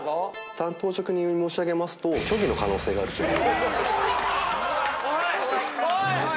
単刀直入に申し上げますと虚偽の可能性があるというおいおい！